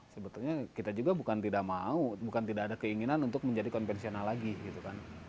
sebetulnya kita juga bukan tidak mau bukan tidak ada keinginan untuk menjadi konvensional lagi gitu kan